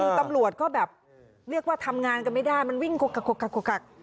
คุณตำลวดก็แบบเรียกว่าทำงานก็ไม่ได้มันวิ่งคกคกคกคกคกคก